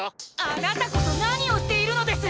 あなたこそ何をしているのです